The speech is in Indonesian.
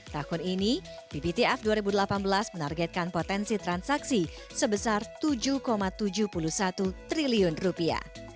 tahun ini bbtf dua ribu delapan belas menargetkan potensi transaksi sebesar tujuh tujuh puluh satu triliun rupiah